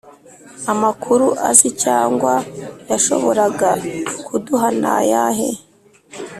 amakuru azi cyangwa yashoboraga kuduha nayahe